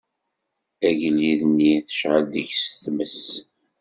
Agellid-nni, tecɛel deg-s tmes.